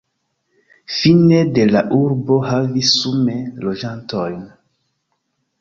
Fine de la urbo havis sume loĝantojn.